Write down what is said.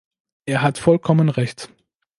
Er hat vollkommen Recht.